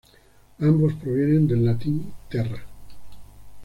Ambos provienen del latín "terra".